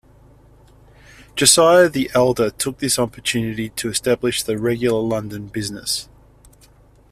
Josiah the elder took this opportunity to establish the regular London business.